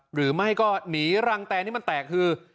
หรือไม่ก็หนีรังแตนที่มันแตกคือ